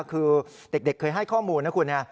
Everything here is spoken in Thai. คือเด็กเคยให้ข้อมูลนะคุณ